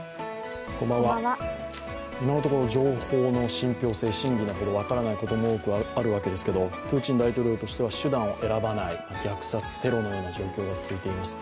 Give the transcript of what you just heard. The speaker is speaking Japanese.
今のところ情報の信ぴょう性真偽の程分からないことも多くあるわけですけれども、プーチン大統領としては手段を選ばない虐殺テロのような状況が続いています。